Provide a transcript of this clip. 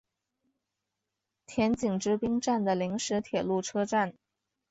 田井之滨站的临时铁路车站。